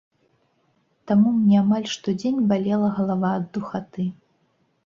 Таму мне амаль штодзень балела галава ад духаты.